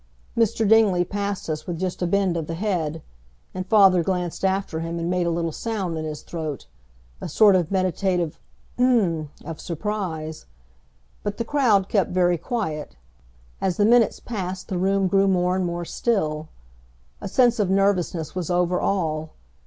Mr. Dingley passed us with just a bend of the head, and father glanced after him and made a little sound in his throat, a sort of meditative "h'm" of surprise. But the crowd kept very quiet; as the minutes passed the room grew more and more still. A sense of nervousness was over all.